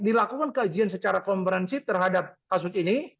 dilakukan kajian secara komprehensif terhadap kasus ini